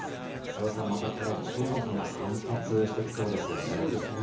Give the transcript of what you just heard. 瀬尾さん、またこれ中国が反発してきそうですよね。